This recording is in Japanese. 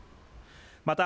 また